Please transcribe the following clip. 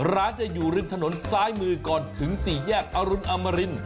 ร้านจะอยู่ริมถนนซ้ายมือก่อนถึง๔แยกอรุณอมริน